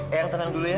eyang tenang dulu ya